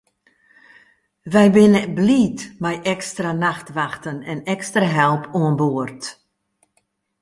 Wy binne bliid mei ekstra nachtwachten en ekstra help oan board.